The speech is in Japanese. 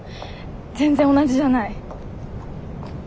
全然同じじゃない。